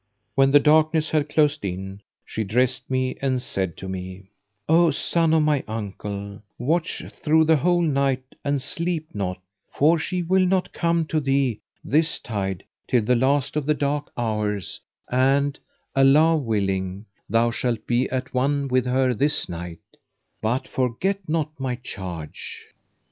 When the darkness had closed in, she dressed me and said to me, "O son of my uncle, watch through the whole night and sleep not; for she will not come to thee this tide till the last of the dark hours and, Allah willing, thou shalt be at one with her this night; but forget not my charge."